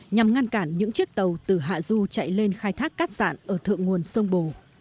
nhằm ngăn cản những chiếc tàu từ hạ du chạy lên khai thác cát sản ở thượng nguồn sông bồ